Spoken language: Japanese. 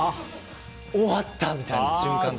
終わったみたいな瞬間が。